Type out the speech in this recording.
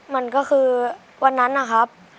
มันก็คือวันนั้นนะครับ